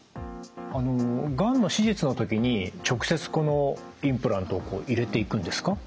あのがんの手術の時に直接このインプラントを入れていくんですか？